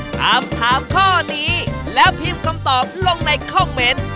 ถามถามข้อนี้แล้วพิมพ์คำตอบลงในคอมเมนต์